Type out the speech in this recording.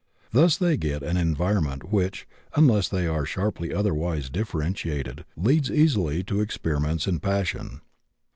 Thus they get an environment which (unless they are sharply otherwise differentiated) leads easily to experiments in passion.